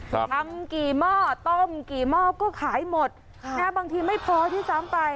ทำกี่หม้อต้มกี่หม้อก็ขายหมดค่ะนะฮะบางทีไม่พอที่ซ้ำไป